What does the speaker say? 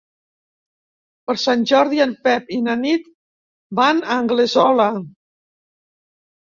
Per Sant Jordi en Pep i na Nit van a Anglesola.